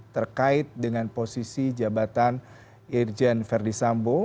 terkait dengan posisi jabatan irjen verdi sambo